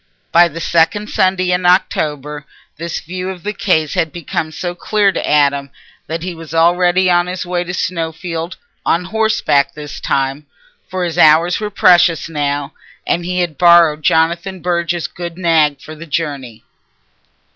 By the second Sunday in October this view of the case had become so clear to Adam that he was already on his way to Snowfield, on horseback this time, for his hours were precious now, and he had borrowed Jonathan Burge's good nag for the journey.